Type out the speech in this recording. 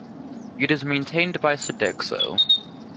It is maintained by Sodexo.